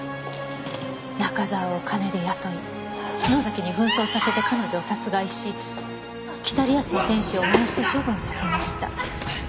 「中沢を金で雇い篠崎に扮装させて彼女を殺害し『北リアスの天使』を燃やして処分させました」